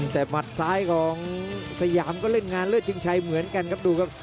แต่หมัดซ้ายของสยามก็เล่นงานเลิศชิงชัยเหมือนกันครับดูครับ